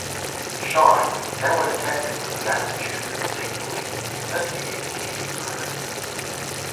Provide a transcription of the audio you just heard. Sean, now a detective with the Massachusetts State Police, investigates Katie's murder.